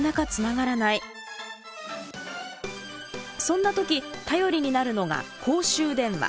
そんな時頼りになるのが公衆電話。